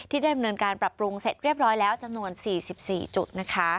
ที่ได้บรรยาการปรับปรุงเสร็จเรียบร้อยแล้วจำนวน๔๔จุด